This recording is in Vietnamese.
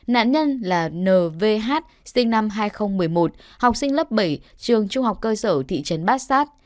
nạn nhân là n v sinh năm hai nghìn một mươi một học sinh lớp bảy trường trung học cơ sở thị trấn bát sát